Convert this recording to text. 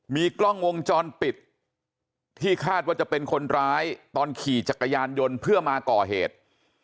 มีกล้องวงจรปิดที่คาดว่าจะเป็นคนร้ายตอนขี่จักรยานยนต์เพื่อมาก่อเหตุ